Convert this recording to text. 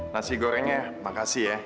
nasi gorengnya makasih ya